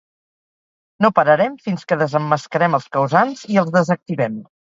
No pararem fins que desemmascarem els causants i els desactivem.